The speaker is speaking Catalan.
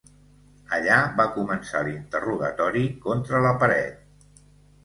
Allà va començar l’interrogatori contra la paret.